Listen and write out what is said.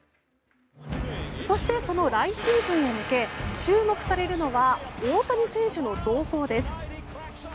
そしてその来シーズンへ向け注目されるのは大谷選手の動向です。